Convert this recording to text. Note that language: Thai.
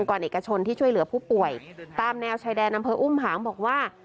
ก่อนเอกชนที่ช่วยเหลือผู้ป่วยตามแนวชายแดนอำเภออุ้มหางบอกว่า